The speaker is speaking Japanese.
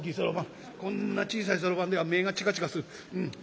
こんな小さいそろばんでは目がチカチカする。